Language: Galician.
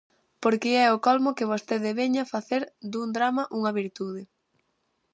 Porque é o colmo que vostede veña facer dun drama unha virtude.